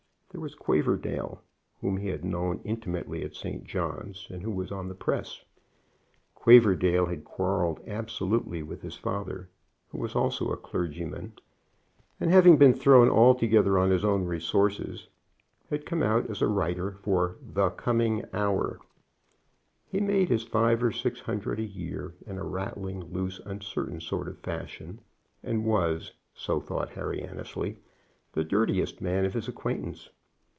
There was Quaverdale, whom he had known intimately at St. John's, and who was on the Press. Quaverdale had quarrelled absolutely with his father, who was also a clergyman, and having been thrown altogether on his own resources, had come out as a writer for The Coming Hour. He made his five or six hundred a year in a rattling, loose, uncertain sort of fashion, and was, so thought Harry Annesley, the dirtiest man of his acquaintance.